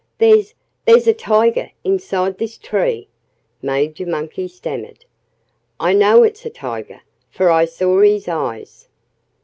"There's there's a Tiger inside this tree!" Major Monkey stammered. "I know it's a Tiger, for I saw his eyes."